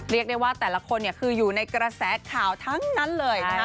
เรียกได้ว่าแต่ละคนคืออยู่ในกระแสข่าวทั้งนั้นเลยนะคะ